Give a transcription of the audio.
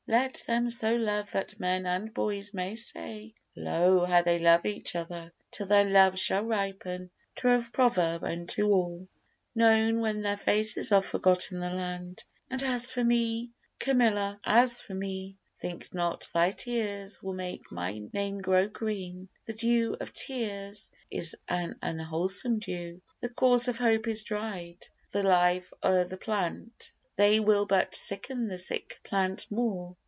Let them so love that men and boys may say, Lo! how they love each other! till their love Shall ripen to a proverb unto all, Known when their faces are forgot in the land. And as for me, Camilla, as for me, Think not thy tears will make my name grow green, The dew of tears is an unwholesome dew. The course of Hope is dried, the life o' the plant They will but sicken the sick plant more.